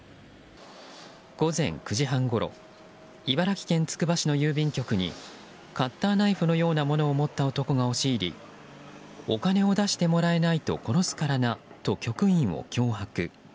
午前９時半ごろ茨城県つくば市の郵便局にカッターナイフのようなものを持った男が押し入りお金を出してもらえないと殺すからなと局員を脅迫。